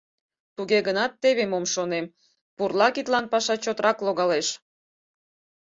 Туге гынат теве мом шонем: пурла кидлан паша чотрак логалеш.